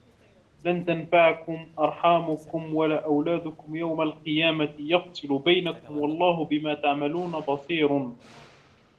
لَنْ تَنْفَعَكُمْ أَرْحَامُكُمْ وَلَا أَوْلَادُكُمْ يَوْمَ الْقِيَامَةِ يَفْصِلُ بَيْنَكُمْ وَاللَّهُ بِمَا تَعْمَلُونَ بَصِيرٌ